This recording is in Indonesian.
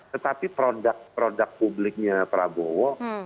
tetapi produk produk publiknya prabowo